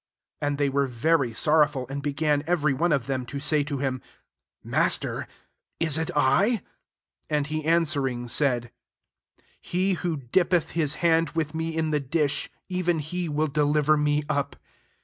22 And they were very sorrowful ,• and began everyone of them to say to him, " Mas ter, is it I ?" 23 And he answer ing, said, " He who dippeth Ais hand with me in the dish, even he will deliver me up.